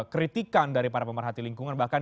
kritikan dari para pemerhati lingkungan bahkan